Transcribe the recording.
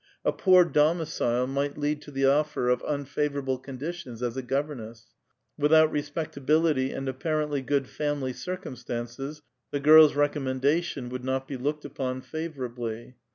A i)oor domicile might lead to the offer of unfavorable conditions as a governess ; without respectability and appar ently good family circumstances the girl's recommendation would not be looked upon favorably.